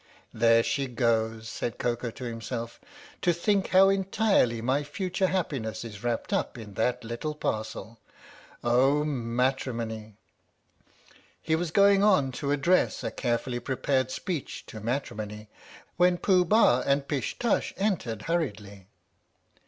"There she goes," said Koko to himself. "To think how entirely my future happiness is wrapped up in that little parcel ! Oh, Matrimony !" He was going on to address a carefully prepared speech to Matrimony, when Pooh Bah and Pish Tush entered hurriedly.